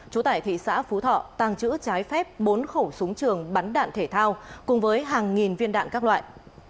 trú tại thị xã phú thọ tăng chữ trái phép bốn khẩu súng trường bắn đạn thể thao cùng với hàng nghìn viên đạn các loại